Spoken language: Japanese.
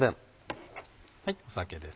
酒です。